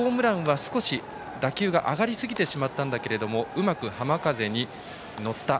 ホームランは少し打球が上がりすぎてしまったんだけれどうまく浜風に乗った。